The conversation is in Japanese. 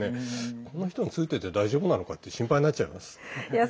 この人についてって大丈夫なのかって心配になっちゃいます。